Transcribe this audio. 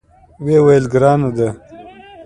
ویې ویل: ګرانه ده.